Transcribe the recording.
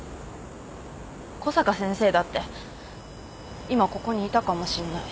小坂先生だって今ここにいたかもしんない。